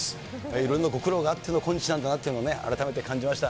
いろいろご苦労があっての今日なんだなっていうのを、改めて感じました。